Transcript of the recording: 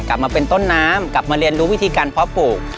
กลับมาเป็นต้นน้ำกลับมาเรียนรู้วิธีการเพาะปลูก